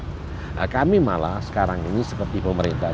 nah kami malah sekarang ini seperti pemerintah